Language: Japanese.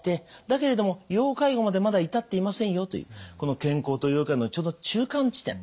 だけれども要介護までまだ至っていませんよというこの健康と要介護のちょうど中間地点。